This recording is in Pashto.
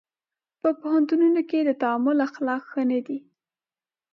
په پوهنتونونو کې د تعامل اخلاق ښه نه دي.